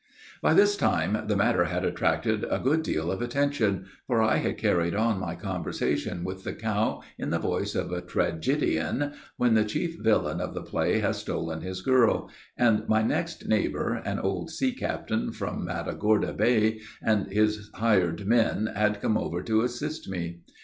"By this time the matter had attracted a good deal of attention, for I had carried on my conversation with the cow in the voice of a tragedian when the chief villain of the play has stolen his girl, and my next neighbor, an old sea captain from Mattagorda Bay, and his hired men had come over to assist me.